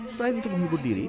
selain untuk menghibur diri